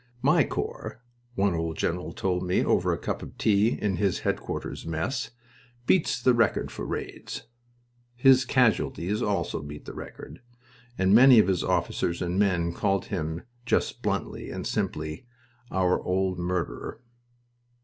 "My corps," one old general told me over a cup of tea in his headquarters mess, "beats the record for raids." His casualties also beat the record, and many of his officers and men called him, just bluntly and simply, "Our old murderer."